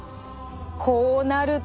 こうなると。